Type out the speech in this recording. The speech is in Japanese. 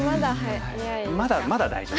まだまだ大丈夫。